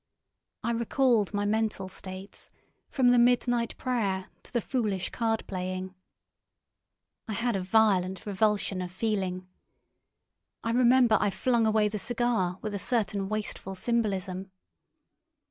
I recalled my mental states from the midnight prayer to the foolish card playing. I had a violent revulsion of feeling. I remember I flung away the cigar with a certain wasteful symbolism.